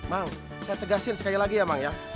mak saya tegaskan sekali lagi ya mak ya